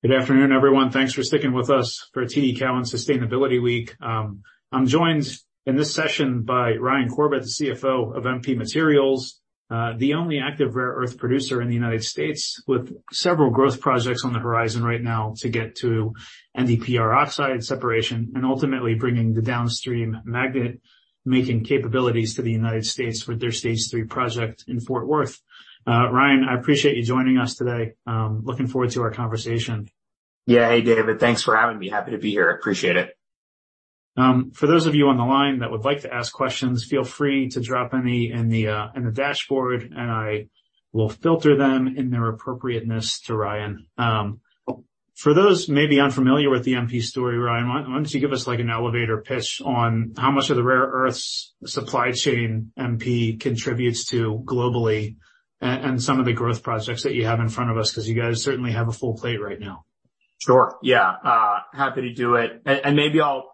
Good afternoon, everyone. Thanks for sticking with us for TD Cowen Sustainability Week. I'm joined in this session by Ryan Corbett, the CFO of MP Materials, the only active rare earth producer in the United States, with several growth projects on the horizon right now to get to NdPr oxide separation and ultimately bringing the downstream magnet-making capabilities to the United States with their Stage three project in Fort Worth. Ryan, I appreciate you joining us today. Looking forward to our conversation. Yeah. Hey, David, thanks for having me. Happy to be here. I appreciate it. For those of you on the line that would like to ask questions, feel free to drop any in the dashboard, and I will filter them in their appropriateness to Ryan. For those maybe unfamiliar with the MP story, Ryan, why don't you give us, like, an elevator pitch on how much of the rare earths supply chain MP contributes to globally and some of the growth projects that you have in front of us, 'cause you guys certainly have a full plate right now. Sure. Yeah. happy to do it. Maybe I'll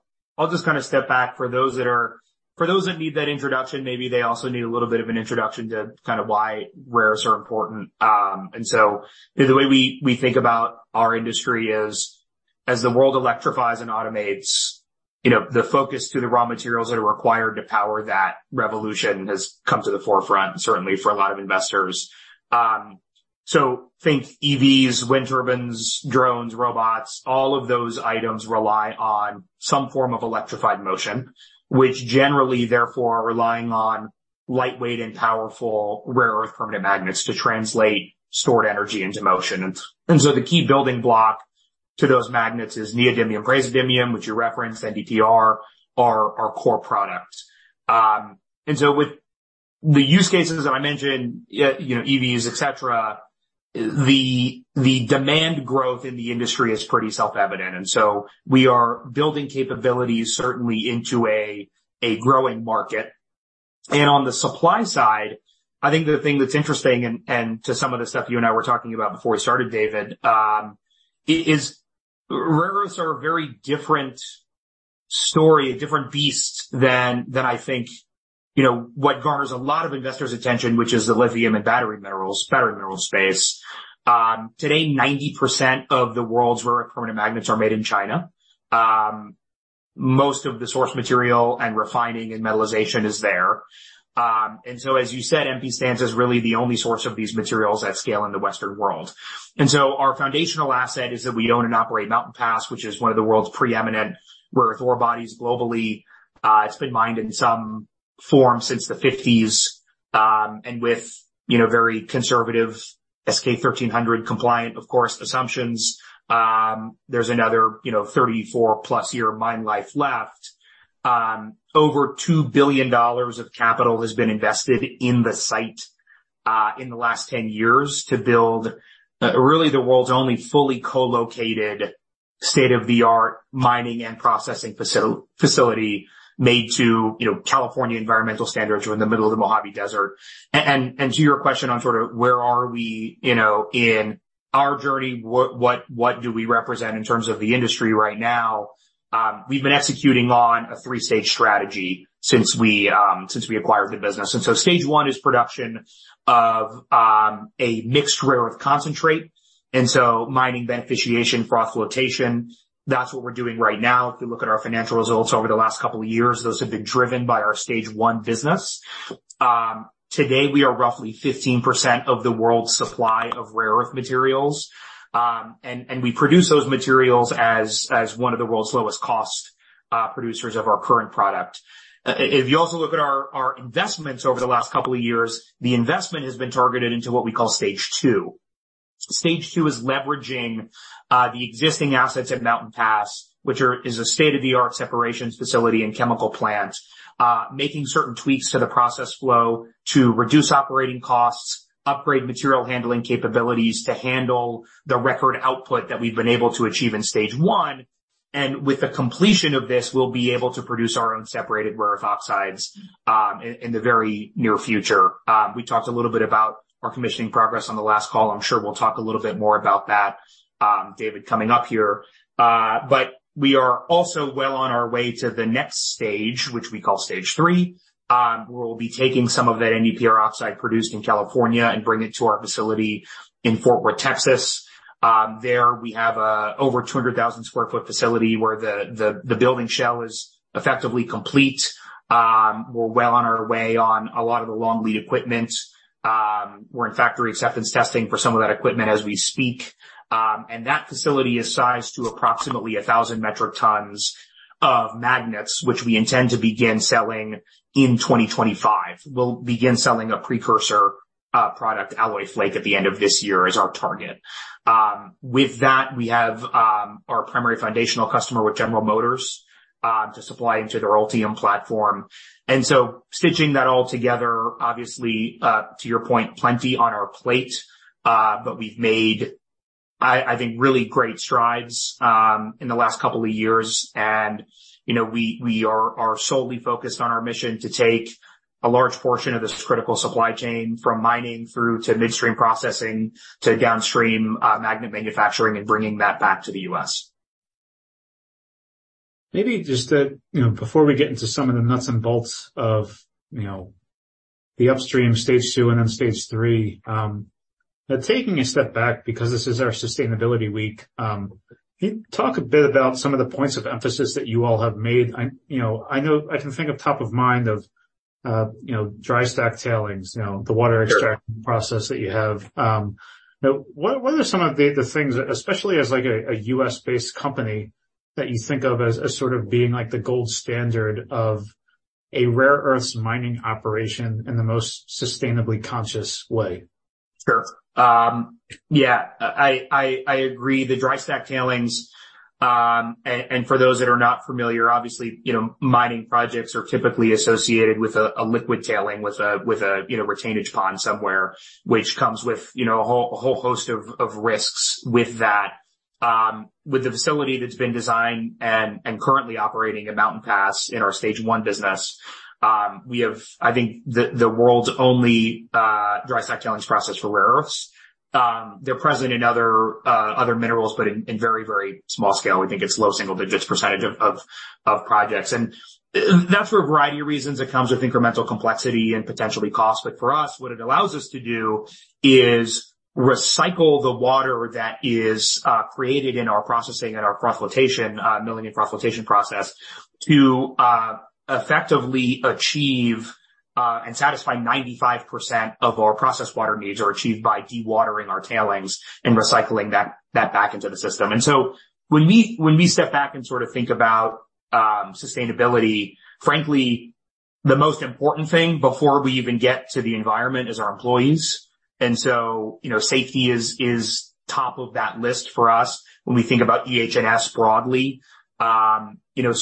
just kind of step back for those that need that introduction, maybe they also need a little bit of an introduction to kind of why rares are important. The way we think about our industry is, as the world electrifies and automates, you know, the focus to the raw materials that are required to power that revolution has come to the forefront, certainly for a lot of investors. Think EVs, wind turbines, drones, robots, all of those items rely on some form of electrified motion, which generally, therefore, are relying on lightweight and powerful rare earth permanent magnets to translate stored energy into motion. The key building block to those magnets is neodymium praseodymium, which you referenced, NdPr, are our core products. With the use cases that I mentioned, you know, EVs, et cetera, the demand growth in the industry is pretty self-evident, we are building capabilities certainly into a growing market. On the supply side, I think the thing that's interesting and to some of the stuff you and I were talking about before we started, David, is rare earths are a very different story, a different beast than I think, you know, what garners a lot of investors' attention, which is the lithium and battery mineral space. Today, 90% of the world's rare earth permanent magnets are made in China. Most of the source material and refining and metallization is there. As you said, MP stands as really the only source of these materials at scale in the Western world. Our foundational asset is that we own and operate Mountain Pass, which is one of the world's preeminent rare earth ore bodies globally. It's been mined in some form since the fifties. With, you know, very conservative SK1300 compliant, of course, assumptions, there's another, you know, 34+ year mine life left. Over $2 billion of capital has been invested in the site, in the last 10 years to build, really the world's only fully co-located, state-of-the-art mining and processing facility made to, you know, California environmental standards. We're in the middle of the Mojave Desert. To your question on sort of where are we, you know, in our journey, what do we represent in terms of the industry right now? We've been executing on a three-stage strategy since we acquired the business. Stage one is production of a mixed rare earth concentrate, and so mining, beneficiation, froth flotation, that's what we're doing right now. If you look at our financial results over the last couple of years, those have been driven by our Stage one business. Today, we are roughly 15% of the world's supply of rare earth materials. And we produce those materials as one of the world's lowest cost producers of our current product. If you also look at our investments over the last couple of years, the investment has been targeted into what we call Stage two. Stage two is leveraging the existing assets at Mountain Pass, which is a state-of-the-art separations facility and chemical plant. Making certain tweaks to the process flow to reduce operating costs, upgrade material handling capabilities to handle the record output that we've been able to achieve in Stage one. With the completion of this, we'll be able to produce our own separated rare earth oxides in the very near future. We talked a little bit about our commissioning progress on the last call. I'm sure we'll talk a little bit more about that, David, coming up here. We are also well on our way to the next stage, which we call Stage three. We'll be taking some of that NdPr oxide produced in California and bring it to our facility in Fort Worth, Texas. There we have a over 200,000 sq ft facility where the building shell is effectively complete. We're well on our way on a lot of the long lead equipment. We're in factory acceptance testing for some of that equipment as we speak. That facility is sized to approximately 1,000 metric tons of magnets, which we intend to begin selling in 2025. We'll begin selling a precursor product, alloy flake, at the end of this year as our target. With that, we have our primary foundational customer with General Motors to supply into their Ultium platform. Stitching that all together, obviously, to your point, plenty on our plate, but we've made, I think, really great strides in the last couple of years. You know, we are solely focused on our mission to take a large portion of this critical supply chain, from mining through to midstream processing to downstream, magnet manufacturing and bringing that back to the U.S.... Maybe just, you know, before we get into some of the nuts and bolts of, you know, the upstream Stage two and then Stage three, but taking a step back, because this is our Sustainability Week, can you talk a bit about some of the points of emphasis that you all have made? I, you know, I can think of top of mind of, you know, dry stack tailings, you know, the water extraction- Sure. -process that you have. What are some of the things that, especially as like a U.S.-based company, that you think of as sort of being like the gold standard of a rare earths mining operation in the most sustainably conscious way? Sure. Yeah, I agree. The dry stack tailings, and for those that are not familiar, obviously, you know, mining projects are typically associated with a liquid tailing, with a, you know, retainage pond somewhere, which comes with, you know, a whole host of risks with that. With the facility that's been designed and currently operating at Mountain Pass in our Stage one business, we have, I think, the world's only dry stack tailings process for rare earths. They're present in other minerals, but in very small scale. We think it's low single digits% of projects. That's for a variety of reasons. It comes with incremental complexity and potentially cost. For us, what it allows us to do is recycle the water that is created in our processing and our froth flotation, milling and froth flotation process, to effectively achieve and satisfy 95% of our processed water needs are achieved by dewatering our tailings and recycling that back into the system. When we step back and sort of think about sustainability, frankly, the most important thing before we even get to the environment is our employees. You know, safety is top of that list for us when we think about EH&S broadly. You know,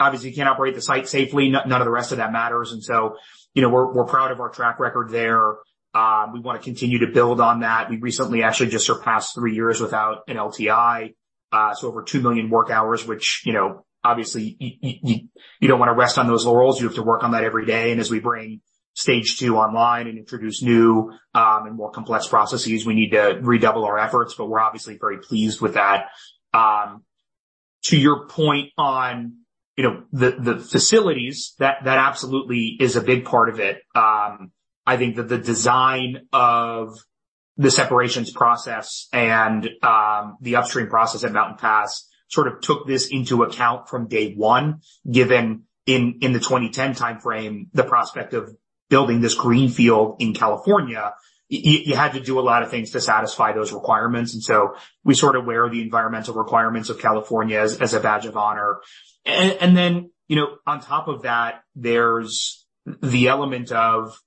obviously, you can't operate the site safely, none of the rest of that matters. You know, we're proud of our track record there. We want to continue to build on that. We recently actually just surpassed three years without an LTI, so over two million work hours, which, you know, obviously, you don't want to rest on those laurels. You have to work on that every day. As we bring Stage two online and introduce new, and more complex processes, we need to redouble our efforts. We're obviously very pleased with that. To your point on, you know, the facilities, that absolutely is a big part of it. I think that the design of the separations process and, the upstream process at Mountain Pass sort of took this into account from day one, given in the 2010 timeframe, the prospect of building this greenfield in California. You had to do a lot of things to satisfy those requirements. So we sort of wear the environmental requirements of California as a badge of honor. Then, you know, on top of that, there's the element of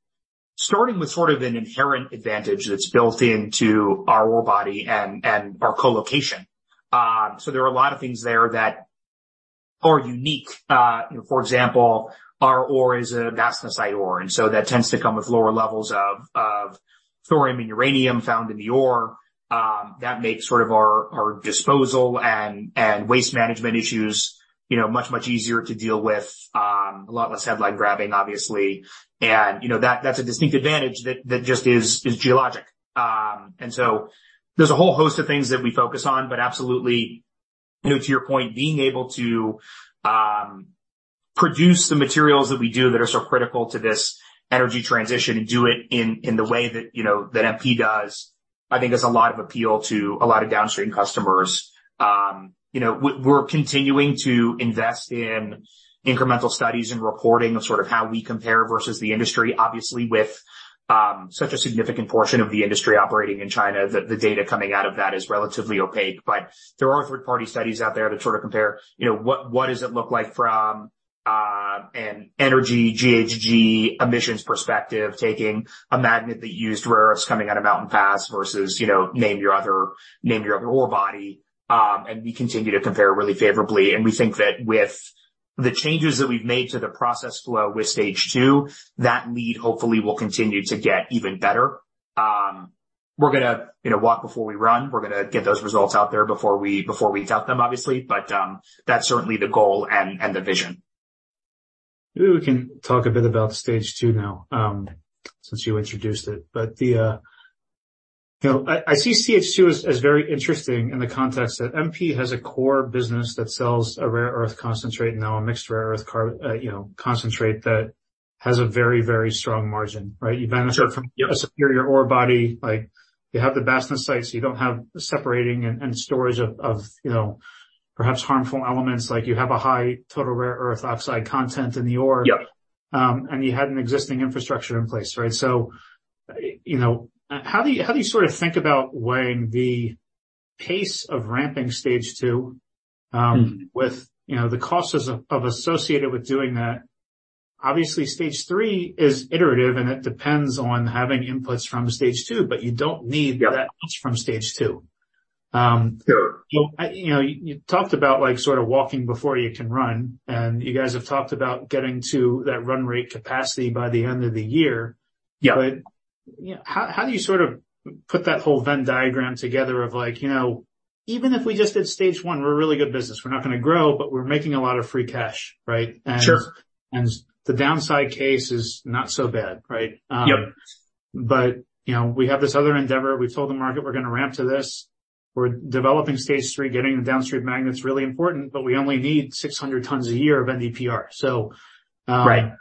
starting with sort of an inherent advantage that's built into our ore body and our co-location. There are a lot of things there that are unique. For example, our ore is a bastnaesite ore. So that tends to come with lower levels of thorium and uranium found in the ore. That makes sort of our disposal and waste management issues, you know, much, much easier to deal with, a lot less headline-grabbing, obviously. You know, that's a distinct advantage that just is geologic. There's a whole host of things that we focus on, but absolutely, you know, to your point, being able to produce the materials that we do that are so critical to this energy transition and do it in the way that, you know, that MP does, I think has a lot of appeal to a lot of downstream customers. You know, we're continuing to invest in incremental studies and reporting of sort of how we compare versus the industry. Obviously, with such a significant portion of the industry operating in China, the data coming out of that is relatively opaque. There are third-party studies out there that sort of compare, you know, what does it look like from an energy GHG emissions perspective, taking a magnet that used rare earths coming out of Mountain Pass versus, you know, name your other ore body. We continue to compare really favorably, and we think that with the changes that we've made to the process flow with Stage two, that lead hopefully will continue to get even better. We're gonna, you know, walk before we run. We're gonna get those results out there before we tout them, obviously. That's certainly the goal and the vision. Maybe we can talk a bit about Stage two now, since you introduced it. The you know, I see S two as very interesting in the context that MP has a core business that sells a rare earth concentrate, now a mixed rare earth concentrate that has a very strong margin, right? Sure. You benefit from a superior ore body. You have the bastnaesite, so you don't have separating and storage of, you know, perhaps harmful elements. You have a high total rare earth oxide content in the ore. Yeah. You had an existing infrastructure in place, right? You know, how do you, how do you sort of think about weighing the pace of ramping Stage two? Mm. -with, you know, the costs of associated with doing that? Obviously, Stage three is iterative, and it depends on having inputs from Stage two, but you don't need. Yeah. that much from Stage two. Sure. You know, you talked about, like, sort of walking before you can run. You guys have talked about getting to that run rate capacity by the end of the year. Yeah. You know, how do you sort of put that whole Venn diagram together of like, you know, even if we just did Stage one, we're a really good business. We're not gonna grow, but we're making a lot of free cash, right? Sure. The downside case is not so bad, right? Yep.... You know, we have this other endeavor. We've told the market we're going to ramp to this. We're developing Stage three, getting the downstream magnets really important, but we only need 600 tons a year of NdPr. Right.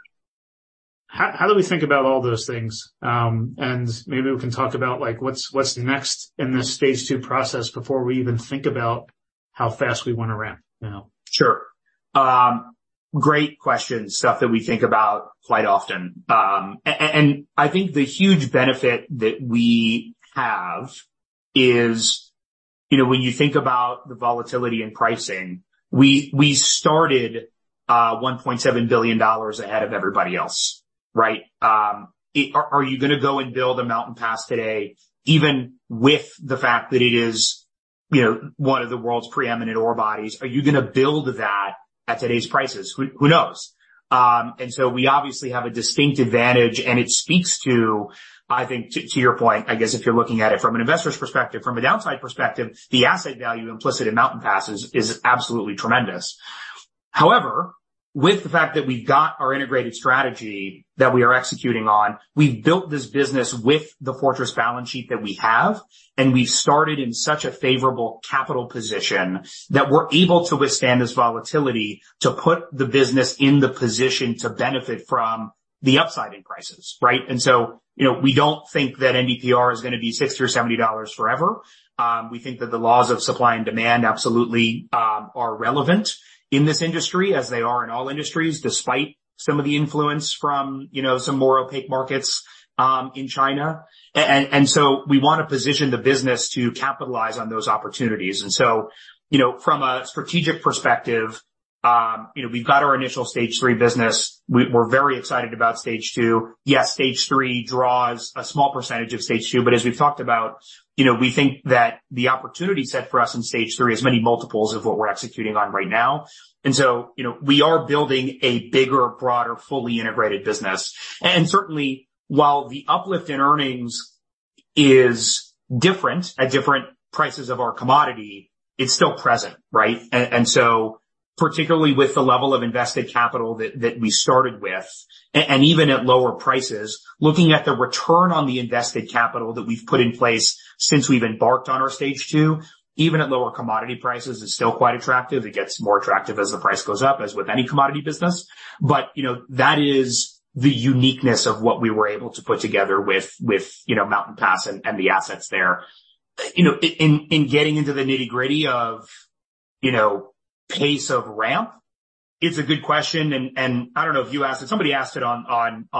How do we think about all those things? Maybe we can talk about, like, what's next in this Stage two process before we even think about how fast we want to ramp, you know? Sure. Great question. Stuff that we think about quite often. And I think the huge benefit that we have is, you know, when you think about the volatility in pricing, we started $1.7 billion ahead of everybody else, right? Are you going to go and build a Mountain Pass today, even with the fact that it is, you know, one of the world's preeminent ore bodies? Are you going to build that at today's prices? Who knows? We obviously have a distinct advantage, and it speaks to, I think, to your point, I guess, if you're looking at it from an investor's perspective, from a downside perspective, the asset value implicit in Mountain Pass is absolutely tremendous. However, with the fact that we've got our integrated strategy that we are executing on, we've built this business with the fortress balance sheet that we have, and we've started in such a favorable capital position that we're able to withstand this volatility to put the business in the position to benefit from the upside in prices, right? You know, we don't think that NdPr is going to be $60 or $70 forever. We think that the laws of supply and demand absolutely are relevant in this industry, as they are in all industries, despite some of the influence from, you know, some more opaque markets in China. We want to position the business to capitalize on those opportunities. You know, from a strategic perspective, you know, we've got our initial Stage three business. We're very excited about Stage two. Yes, Stage three draws a small % of Stage two, as we've talked about, you know, we think that the opportunity set for us in Stage three is many multiples of what we're executing on right now. You know, we are building a bigger, broader, fully integrated business. Certainly, while the uplift in earnings is different at different prices of our commodity, it's still present, right? So, particularly with the level of invested capital that we started with, and even at lower prices, looking at the return on the invested capital that we've put in place since we've embarked on our Stage two, even at lower commodity prices, is still quite attractive. It gets more attractive as the price goes up, as with any commodity business. You know, that is the uniqueness of what we were able to put together with, you know, Mountain Pass and the assets there. You know, in getting into the nitty-gritty of, you know, pace of ramp, it's a good question, and I don't know if you asked it. Somebody asked it on the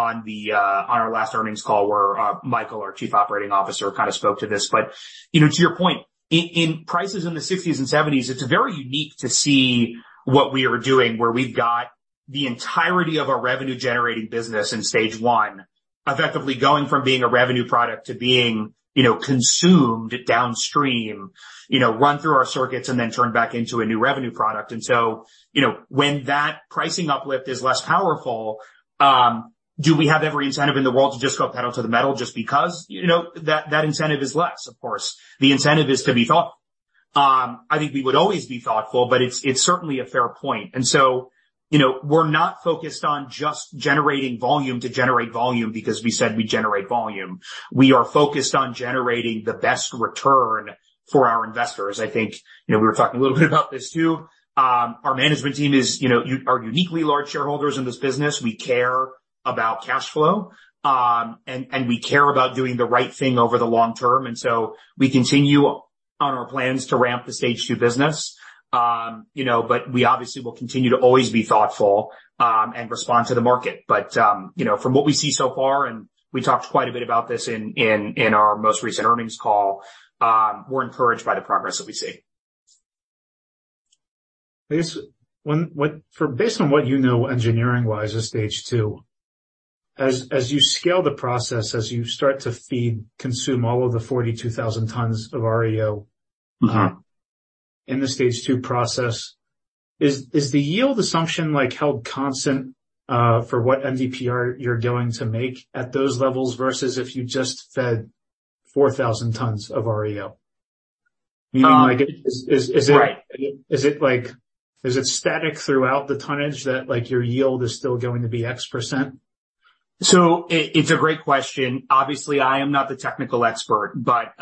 on our last earnings call, where Michael, our chief operating officer, kind of spoke to this. You know, to your point, in prices in the sixties and seventies, it's very unique to see what we are doing, where we've got the entirety of our revenue-generating business in Stage one, effectively going from being a revenue product to being, you know, consumed downstream. You know, run through our circuits and then turn back into a new revenue product. You know, when that pricing uplift is less powerful, do we have every incentive in the world to just go pedal to the metal just because? You know, that incentive is less, of course. The incentive is to be thoughtful. I think we would always be thoughtful, but it's certainly a fair point. You know, we're not focused on just generating volume to generate volume because we said we'd generate volume. We are focused on generating the best return for our investors. I think, you know, we were talking a little bit about this, too. Our management team is, you know, are uniquely large shareholders in this business. We care about cash flow, and we care about doing the right thing over the long term. We continue on our plans to ramp the Stage two business. You know, we obviously will continue to always be thoughtful, and respond to the market. You know, from what we see so far, and we talked quite a bit about this in our most recent earnings call, we're encouraged by the progress that we see. Based on what you know, engineering-wise, is Stage two, as you scale the process, as you start to feed, consume all of the 42,000 tons of REO? Mm-hmm... in the Stage two process, is the yield assumption, like, held constant, for what NdPr you're going to make at those levels versus if you just fed 4,000 tons of REO? Um- Like, is, is, is it- Right. Is it static throughout the tonnage that, like, your yield is still going to be X%? It's a great question. Obviously, I am not the technical expert, but,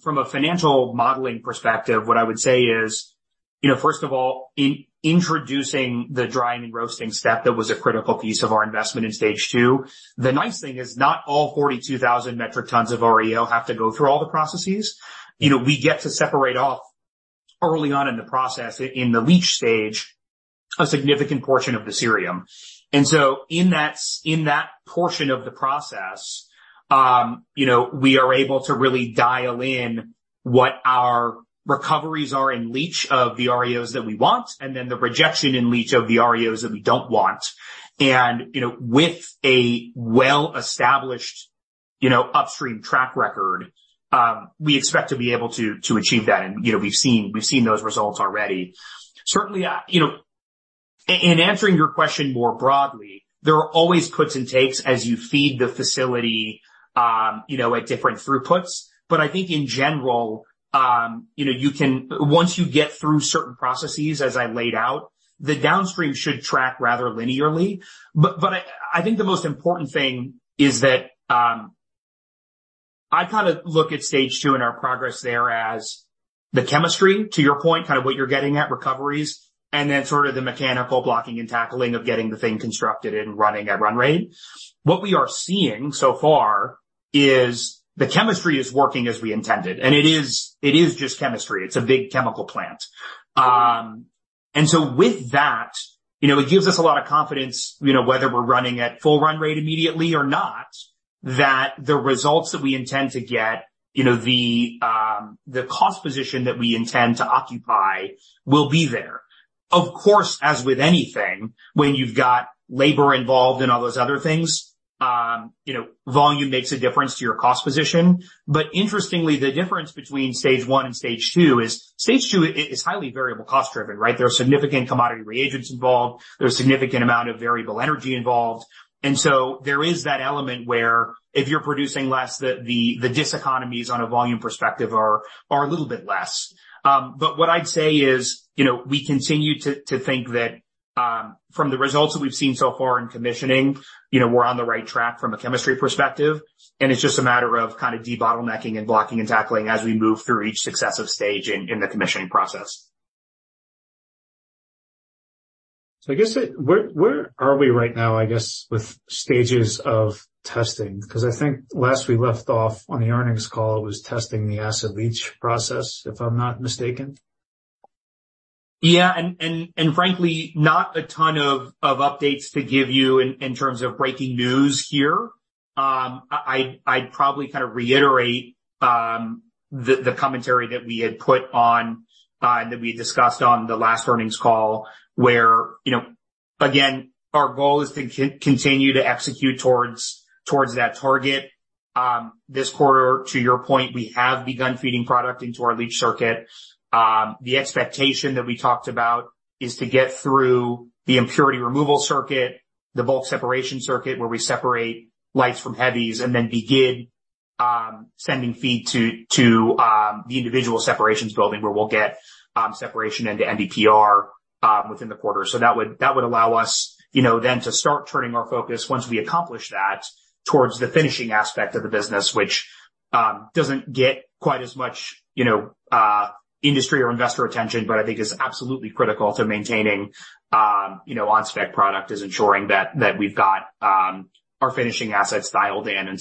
from a financial modeling perspective, what I would say is, you know, first of all, in introducing the drying and roasting step, that was a critical piece of our investment in Stage two. The nice thing is, not all 42,000 metric tons of REO have to go through all the processes. You know, we get to separate off early on in the process, in the leach stage, a significant portion of the cerium. In that, in that portion of the process, you know, we are able to really dial in what our recoveries are in leach of the REOs that we want, and then the rejection in leach of the REOs that we don't want. You know, with a well-established, you know, upstream track record, we expect to be able to achieve that. You know, we've seen those results already. Certainly, you know, in answering your question more broadly, there are always puts and takes as you feed the facility, you know, at different throughputs. I think in general, you know, once you get through certain processes, as I laid out, the downstream should track rather linearly. I think the most important thing is that. I kind of look at Stage two and our progress there as the chemistry, to your point, kind of what you're getting at, recoveries, and then sort of the mechanical blocking and tackling of getting the thing constructed and running at run rate. What we are seeing so far is the chemistry is working as we intended, and it is just chemistry. It's a big chemical plant. With that, you know, it gives us a lot of confidence, you know, whether we're running at full run rate immediately or not, that the results that we intend to get, you know, the cost position that we intend to occupy will be there. Of course, as with anything, when you've got labor involved and all those other things, you know, volume makes a difference to your cost position. Interestingly, the difference between Stage one and Stage two is Stage two is highly variable cost driven, right? There are significant commodity reagents involved. There's a significant amount of variable energy involved, and so there is that element where if you're producing less, the diseconomies on a volume perspective are a little bit less. What I'd say is, you know, we continue to think that from the results that we've seen so far in commissioning, you know, we're on the right track from a chemistry perspective, and it's just a matter of kind of de-bottlenecking and blocking and tackling as we move through each successive stage in the commissioning process. I guess, where are we right now, I guess, with stages of testing? 'Cause I think last we left off on the earnings call was testing the acid leach process, if I'm not mistaken. Yeah, and frankly, not a ton of updates to give you in terms of breaking news here. I'd probably kind of reiterate the commentary that we had put on that we discussed on the last earnings call, where, you know, again, our goal is to continue to execute towards that target. This quarter, to your point, we have begun feeding product into our leach circuit. The expectation that we talked about is to get through the impurity removal circuit, the bulk separation circuit, where we separate lights from heavies and then begin sending feed to the individual separations building, where we'll get separation into NdPr within the quarter. That would allow us, you know, then to start turning our focus once we accomplish that, towards the finishing aspect of the business, which doesn't get quite as much, you know, industry or investor attention, but I think is absolutely critical to maintaining, you know, on-spec product, is ensuring that we've got our finishing assets dialed in.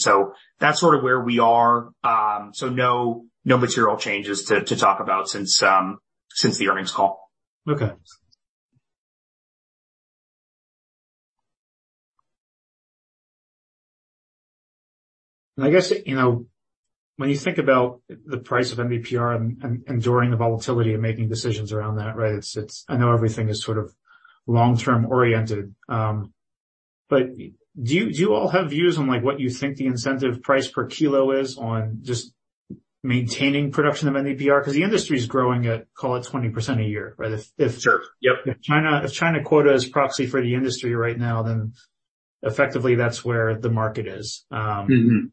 That's sort of where we are. No, no material changes to talk about since the earnings call. Okay. I guess, you know, when you think about the price of NdPr and enduring the volatility and making decisions around that, right, it's I know everything is sort of long-term oriented. Do you all have views on, like, what you think the incentive price per kilo is on just maintaining production of NdPr? Because the industry is growing at, call it 20% a year, right? Sure. Yep. If China quota is proxy for the industry right now, then effectively that's where the market is. Mm-hmm.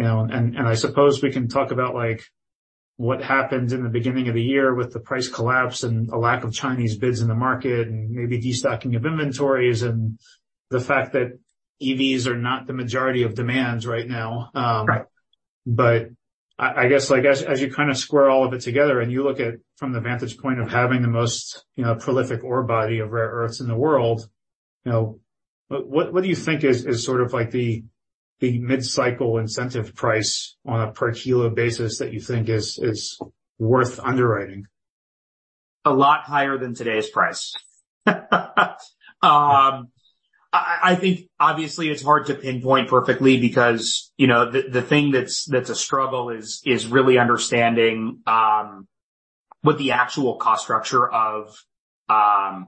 You know, and I suppose we can talk about, like, what happened in the beginning of the year with the price collapse and a lack of Chinese bids in the market and maybe destocking of inventories, and the fact that EVs are not the majority of demands right now. Right. I guess, like, as you kind of square all of it together and you look at it from the vantage point of having the most, you know, prolific ore body of rare earths in the world, you know, what do you think is sort of like the mid-cycle incentive price on a per kilo basis that you think is worth underwriting? A lot higher than today's price. I think obviously it's hard to pinpoint perfectly because, you know, the thing that's a struggle is really understanding what the actual cost structure of the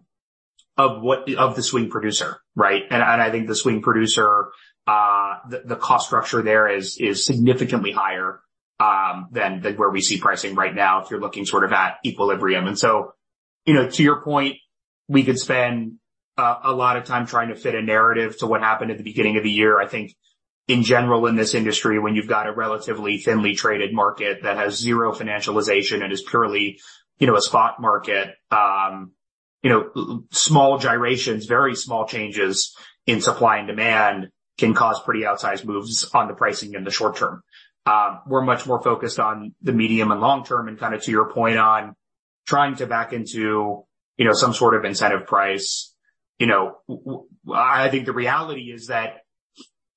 swing producer, right? I think the swing producer, the cost structure there is significantly higher than where we see pricing right now, if you're looking sort of at equilibrium. You know, to your point, we could spend a lot of time trying to fit a narrative to what happened at the beginning of the year. I think in general, in this industry, when you've got a relatively thinly traded market that has zero financialization and is purely, you know, a spot market, you know, small gyrations, very small changes in supply and demand can cause pretty outsized moves on the pricing in the short term. We're much more focused on the medium and long term, and kind of to your point on trying to back into, you know, some sort of incentive price. You know, I think the reality is that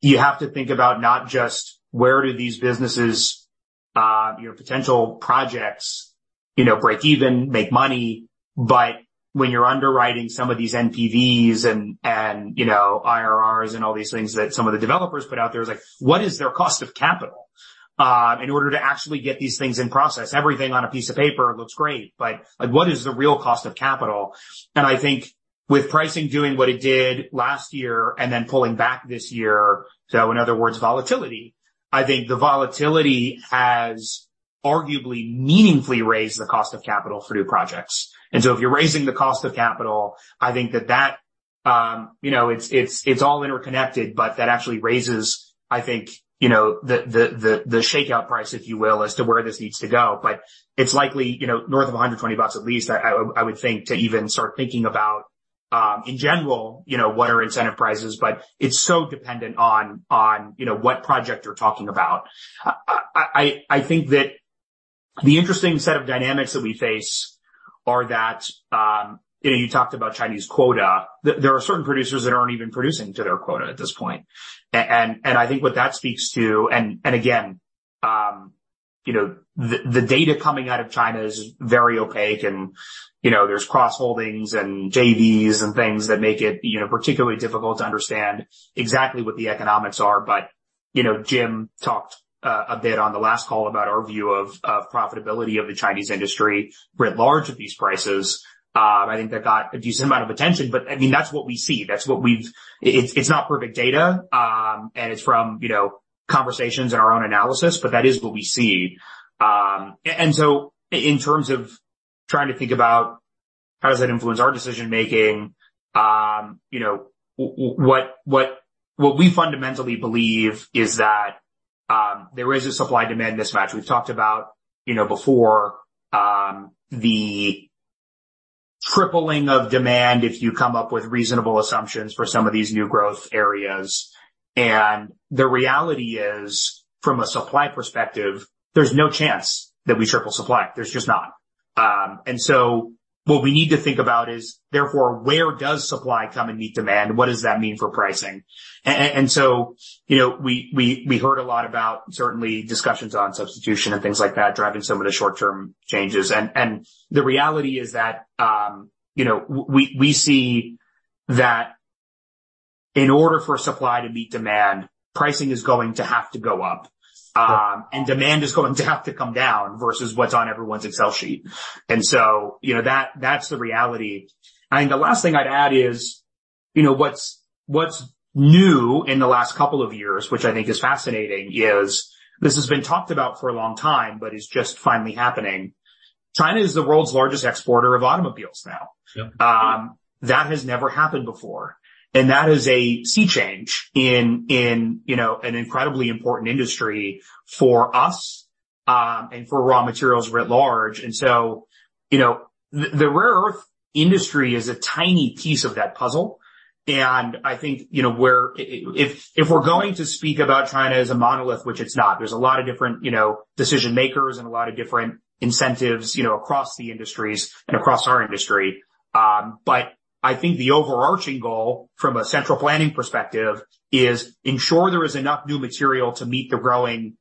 you have to think about not just where do these businesses, you know, potential projects, you know, break even, make money, but when you're underwriting some of these NPVs and, you know, IRRs and all these things that some of the developers put out there, is like, what is their cost of capital in order to actually get these things in process? Everything on a piece of paper looks great, but, like, what is the real cost of capital? I think with pricing doing what it did last year and then pulling back this year, so in other words, volatility, I think the volatility has arguably meaningfully raised the cost of capital for new projects. If you're raising the cost of capital, I think that that, you know, it's, it's all interconnected, but that actually raises, I think, you know, the, the shakeout price, if you will, as to where this needs to go. It's likely, you know, north of $120 at least, I would think, to even start thinking about in general, you know, what are incentive prices? It's so dependent on, you know, what project you're talking about. I think that the interesting set of dynamics that we face are that, you know, you talked about Chinese quota. There are certain producers that aren't even producing to their quota at this point. I think what that speaks to, and again, you know, the data coming out of China is very opaque and, you know, there's cross-holdings and JVs and things that make it, you know, particularly difficult to understand exactly what the economics are. You know, Jim talked a bit on the last call about our view of profitability of the Chinese industry writ large at these prices. I think that got a decent amount of attention, but, I mean, that's what we see. It's not perfect data, and it's from, you know, conversations and our own analysis, but that is what we see. In terms of trying to think about how does that influence our decision making, you know, what we fundamentally believe is that there is a supply-demand mismatch. We've talked about, you know, before, the tripling of demand if you come up with reasonable assumptions for some of these new growth areas. The reality is, from a supply perspective, there's no chance that we triple supply. There's just not. What we need to think about is, therefore, where does supply come and meet demand? What does that mean for pricing? You know, we heard a lot about certainly discussions on substitution and things like that, driving some of the short-term changes. The reality is that, you know, we see that in order for supply to meet demand, pricing is going to have to go up, and demand is going to have to come down versus what's on everyone's Excel sheet. You know, that's the reality. I think the last thing I'd add is, you know, what's new in the last couple of years, which I think is fascinating, is this has been talked about for a long time, but it's just finally happening. China is the world's largest exporter of automobiles now. Yep. That has never happened before, and that is a sea change in, you know, an incredibly important industry for us, and for raw materials writ large. You know, the rare earth industry is a tiny piece of that puzzle, and I think, you know, where if we're going to speak about China as a monolith, which it's not, there's a lot of different, you know, decision makers and a lot of different incentives, you know, across the industries and across our industry. But I think the overarching goal from a central planning perspective is ensure there is enough new material to meet the growing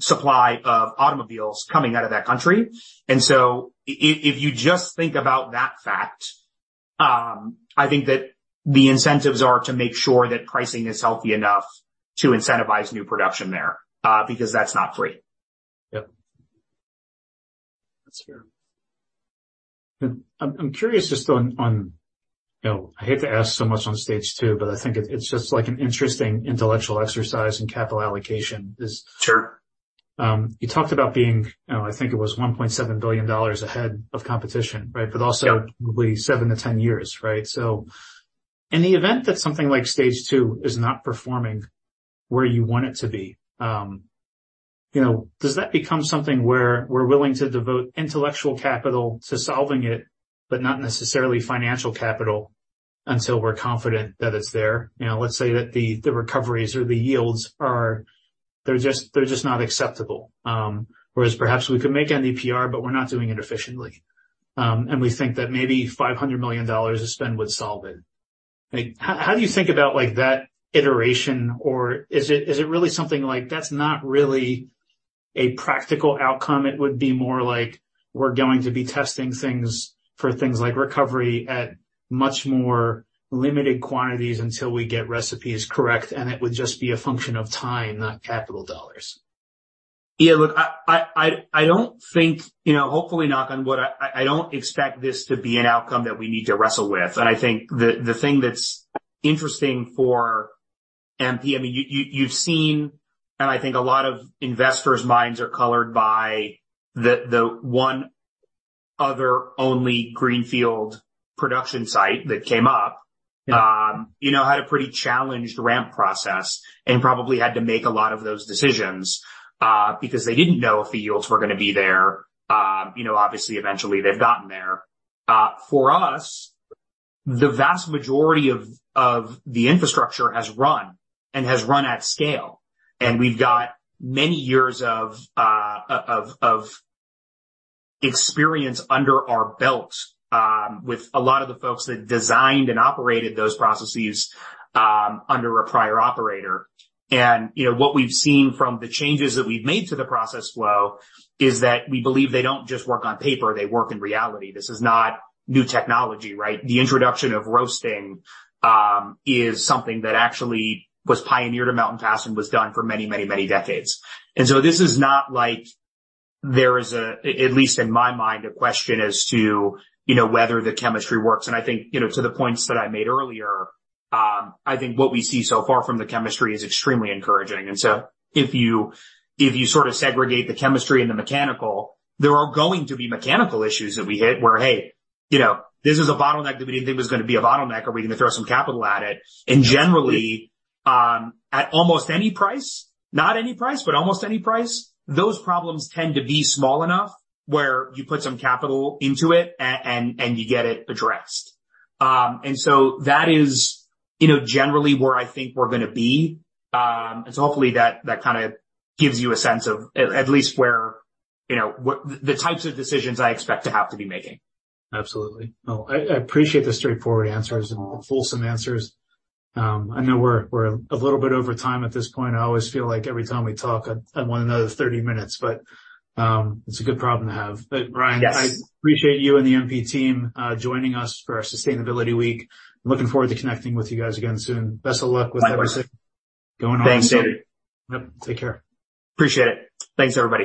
supply of automobiles coming out of that country. If you just think about that fact, I think that the incentives are to make sure that pricing is healthy enough to incentivize new production there, because that's not free. Yep. That's fair. I'm curious just on, you know, I hate to ask so much on Stage two, but I think it's just, like, an interesting intellectual exercise in capital allocation. Sure. You talked about being, you know, I think it was $1.7 billion ahead of competition, right? Yep. Probably 7-10 years, right? In the event that something like Stage two is not performing where you want it to be, you know, does that become something where we're willing to devote intellectual capital to solving it, but not necessarily financial capital until we're confident that it's there? You know, let's say that the recoveries or the yields they're just not acceptable. Whereas perhaps we could make NdPr, but we're not doing it efficiently. We think that maybe $500 million to spend would solve it. Like, how do you think about, like, that iteration, or is it, is it really something like that's not really a practical outcome? It would be more like we're going to be testing things for things like recovery at much more limited quantities until we get recipes correct. It would just be a function of time, not capital dollars. Yeah, look, I don't think. You know, hopefully not on what I don't expect this to be an outcome that we need to wrestle with. I think the thing that's interesting for MP, I mean, you've seen, and I think a lot of investors' minds are colored by the one other only greenfield production site that came up. Yeah. You know, had a pretty challenged ramp process and probably had to make a lot of those decisions because they didn't know if the yields were gonna be there. You know, obviously, eventually they've gotten there. For us, the vast majority of the infrastructure has run and has run at scale, and we've got many years of experience under our belt with a lot of the folks that designed and operated those processes under a prior operator. You know, what we've seen from the changes that we've made to the process flow is that we believe they don't just work on paper, they work in reality. This is not new technology, right? The introduction of roasting is something that actually was pioneered at Mountain Pass and was done for many decades. This is not like there is a, at least in my mind, a question as to, you know, whether the chemistry works. I think, you know, to the points that I made earlier, I think what we see so far from the chemistry is extremely encouraging. If you, if you sort of segregate the chemistry and the mechanical, there are going to be mechanical issues that we hit where, hey, you know, this is a bottleneck that we didn't think was gonna be a bottleneck, or we're gonna throw some capital at it. Generally, at almost any price, not any price, but almost any price, those problems tend to be small enough where you put some capital into it and you get it addressed. That is, you know, generally where I think we're gonna be. Hopefully that kind of gives you a sense of at least where, you know, what, the types of decisions I expect to have to be making. Absolutely. No, I appreciate the straightforward answers and the fulsome answers. I know we're a little bit over time at this point. I always feel like every time we talk, I want another 30 minutes, but it's a good problem to have. Ryan. Yes. I appreciate you and the MP team, joining us for our Sustainability Week. Looking forward to connecting with you guys again soon. Best of luck with... My pleasure. Going on. Thanks, David. Yep, take care. Appreciate it. Thanks, everybody.